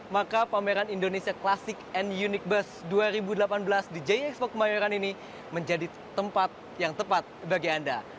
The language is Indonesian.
maka pameran indonesia classic and uniquest dua ribu delapan belas di jxpo kemayoran ini menjadi tempat yang tepat bagi anda